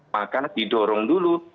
maka didorong dulu